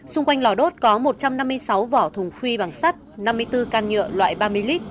xung quanh lò đốt có một trăm năm mươi sáu vỏ thùng phi bằng sắt năm mươi bốn can nhựa loại ba mươi lít